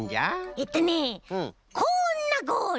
えっとねこんなゴール！